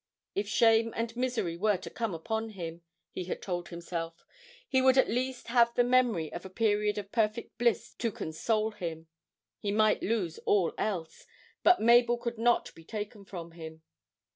If shame and misery were to come upon him, he had told himself, he would at least have the memory of a period of perfect bliss to console him he might lose all else, but Mabel could not be taken from him.